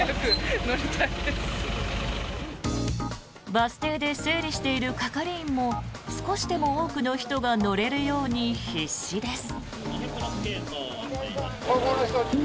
バス停で整理している係員も少しでも多くの人が乗れるように必死です。